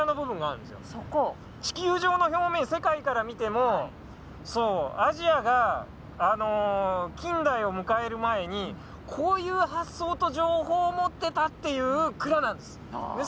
地球上の表面世界から見てもそうアジアが近代を迎える前にこういう発想と情報を持ってたっていう蔵なんです。は。